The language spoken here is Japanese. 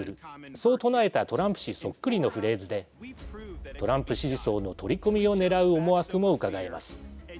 そう唱えたトランプ氏そっくりのフレーズでトランプ支持層の取り込みをねらう思惑もうかがえます。